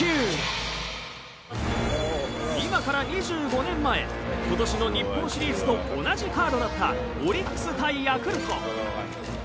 今から２５年前今年の日本シリーズと同じカードだったオリックス対ヤクルト。